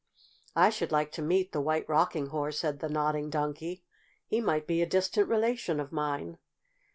"I should like to meet the White Rocking Horse," said the Nodding Donkey. "He might be a distant relation of mine."